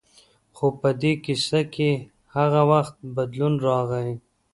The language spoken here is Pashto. خو په دې کیسه کې هغه وخت بدلون راغی.